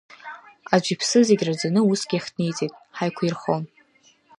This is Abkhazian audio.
Аӡә иԥсы зегь раӡаны уск иахҭниҵеит, ҳаиқәирхон.